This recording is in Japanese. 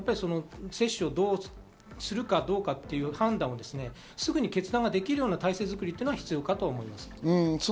増えてきた兆しの時に接種するかどうかという判断をすぐに決断できるような体制作りは必要かと思います。